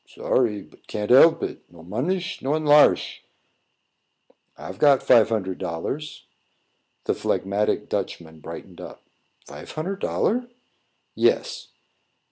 "Sorry, but can't help it. No monish, no enlarsh." "I've got five hundred dollars." The phlegmatic Dutchman brightened up. "Fife hunnard dollar?" "Yes."